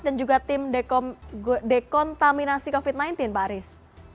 dan juga tim dekontaminasi covid sembilan belas pak aris